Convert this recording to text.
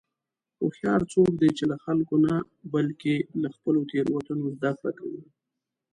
هوښیار څوک دی چې له خلکو نه، بلکې له خپلو تېروتنو زدهکړه کوي.